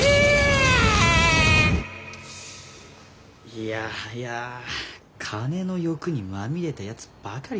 いやはや金の欲にまみれたやつばかりだな。